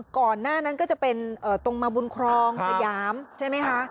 ก่อนหน้านั้นก็จะเป็นตรงมาบุญครองสยามใช่ไหมคะ